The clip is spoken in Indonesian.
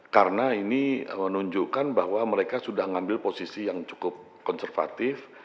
karena ini menunjukkan bahwa mereka sudah mengambil posisi yang cukup konservatif